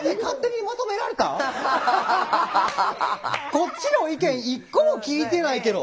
こっちの意見一個も聞いてないけど。